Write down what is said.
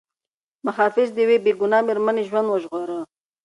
محافظ د یوې بې ګناه مېرمنې ژوند وژغوره.